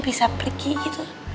bisa pergi gitu